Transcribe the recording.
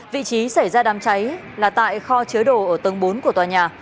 vị trí xảy ra đám cháy là tại kho chứa đồ ở tầng bốn của tòa nhà